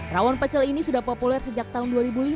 rawon pecel ini sudah populer sejak tahun dua ribu lima